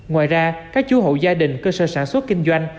ngoài ra các chú hộ gia đình cơ sở sản xuất kinh doanh